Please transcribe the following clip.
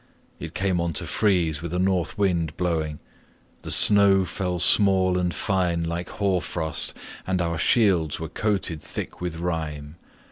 It came on to freeze with a North wind blowing; the snow fell small and fine like hoar frost, and our shields were coated thick with rime.